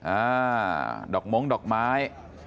อ่าดอกม้งดอกไม้